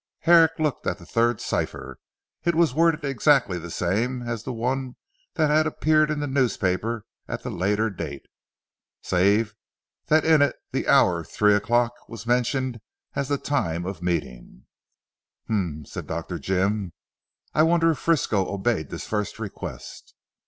Herrick looked at the third cipher. It was worded exactly the same as the one that had appeared in the newspaper at the later date, save that in it the hour of three o'clock was mentioned as the time of meeting. "Humph!" said Dr. Jim, "I wonder if Frisco obeyed this first request?"